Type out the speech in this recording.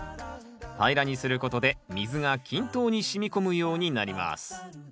平らにすることで水が均等にしみ込むようになります